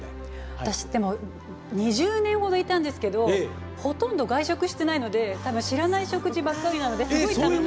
私、２０年ほどいたんですけどほとんど外食してないので多分知らない食事ばっかりなので。